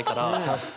確かに。